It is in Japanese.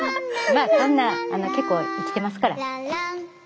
まあそんなあの結構生きてますから。